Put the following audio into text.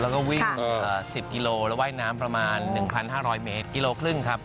แล้วก็วิ่ง๑๐กิโลแล้วว่ายน้ำประมาณ๑๕๐๐เมตรกิโลครึ่งครับ